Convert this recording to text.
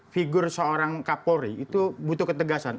figur seorang kapolri itu butuh ketegasan